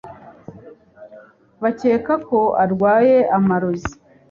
bakeka ko arwaye amarozi